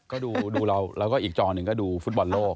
ก็ดูเราแล้วก็อีกจอหนึ่งก็ดูฟุตบอลโลก